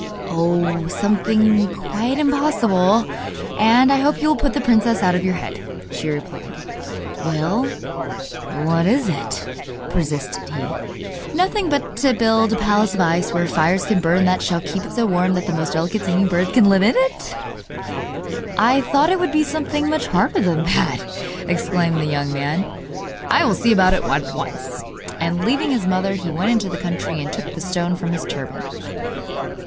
'Oh, something quite impossible; and I hope you will put the princess out of your head,' she replied. 'Well, but what is it?' persisted he. 'Nothing but to build a palace of ice wherein fires can burn that shall keep it so warm that the most delicate singing birds can live in it!' 'I thought it would be something much harder than that,' exclaimed the young man. 'I will see about it at once.' And leaving his mother, he went into the country and took the stone from his turban.